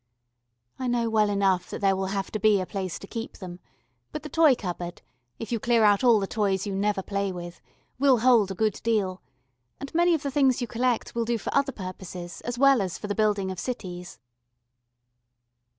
I know well enough that there will have to be a place to keep them, but the toy cupboard, if you clear out all the toys you never play with, will hold a good deal, and many of the things you collect will do for other purposes as well as for the building of cities.